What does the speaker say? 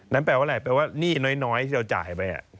แปลว่าอะไรแปลว่าหนี้น้อยที่เราจ่ายไป